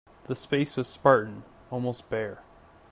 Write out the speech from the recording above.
The space was spartan, almost bare.